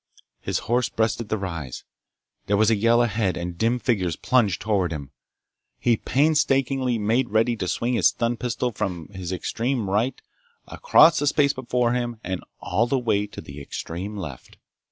His horse breasted the rise. There was a yell ahead and dim figures plunged toward him. He painstakingly made ready to swing his stun pistol from his extreme right, across the space before him, and all the way to the extreme left.